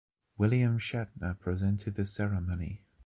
William Shatner presented the ceremony.